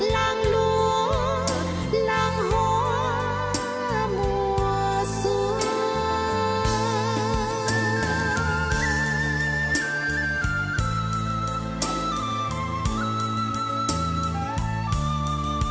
long lúa lòng hoa mua xuân